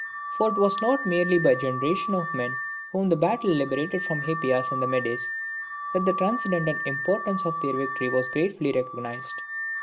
For it was not merely by the generation of men whom the battle liberated from Hippias and the Medes, that the transcendent importance of their victory was gratefully recognised.